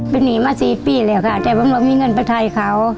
เป็นอยี่ก็๔ปีเพราะเจ้าบางวันมีเงินไปใช้เขา